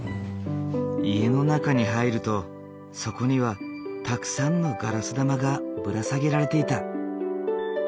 家の中に入るとそこにはたくさんのガラス玉がぶら下げられていた。